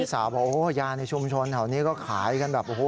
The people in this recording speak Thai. สาวบอกโอ้ยาในชุมชนแถวนี้ก็ขายกันแบบโอ้โห